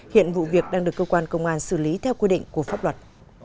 hiện vụ việc đang được cơ quan công an xử lý theo quy định của pháp luật